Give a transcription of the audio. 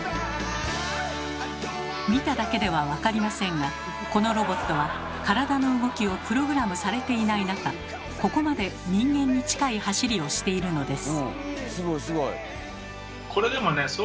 見ただけでは分かりませんがこのロボットは体の動きをプログラムされていない中ここまで人間に近い走りをしているのです。